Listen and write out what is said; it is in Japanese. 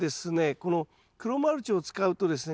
この黒マルチを使うとですね